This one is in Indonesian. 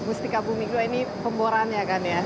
mustika bumi dua ini pemboran ya kan ya